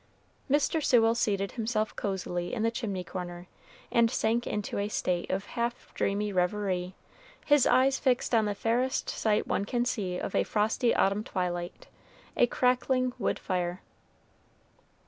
Mr. Sewell seated himself cozily in the chimney corner and sank into a state of half dreamy reverie; his eyes fixed on the fairest sight one can see of a frosty autumn twilight a crackling wood fire.